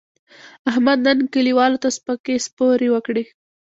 احمد نن کلیوالو ته سپکې سپورې وکړې.